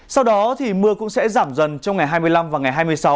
sau đó thì mưa cũng sẽ giảm dần trong ngày hai mươi năm và ngày hai mươi sáu